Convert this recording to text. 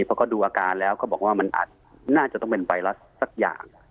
เพราะก็ดูอาการแล้วก็บอกว่ามันอาจจะต้องเป็นไวรัสสักอย่าง